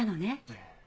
ええ。